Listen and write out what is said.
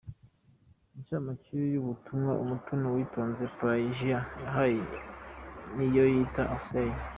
Inshamake y’ubutumwa Umutoni Uwitonze Pelajiya yahaye Niyoyita Hussein.